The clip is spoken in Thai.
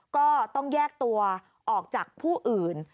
ก็ต้องแยกตัวออกจากผู้อื่น